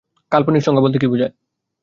কাল্পনিক সংখ্যা বলতে কী বোঝায়?